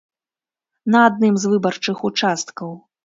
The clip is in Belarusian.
На адным з выбарчых участкаў.